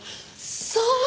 そう！